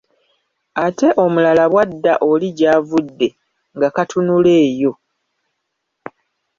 Ate omulala bw'adda oli gy'avudde, nga katunula eyo.